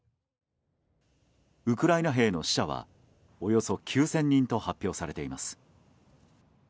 ウクライナ兵の死者はおよそ９０００人と発表されています。